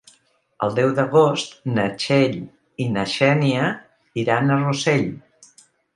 El deu d'agost na Txell i na Xènia iran a Rossell.